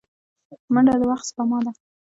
منډه د وخت سپما ده